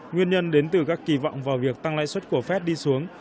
nguyên nhân đến từ các kỳ vọng vào việc tăng lãi suất của fed đi xuống